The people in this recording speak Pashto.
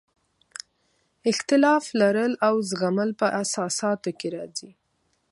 اختلاف لرل او زغمل په اساساتو کې راځي.